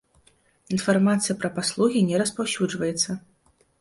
Інфармацыя пра паслугі не распаўсюджваецца.